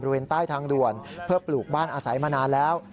บริเวณใต้ทางด่วนเพื่อปลูกบ้านอาศัยมานานแล้ว